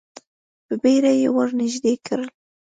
په بیړه یې ور نږدې کړو.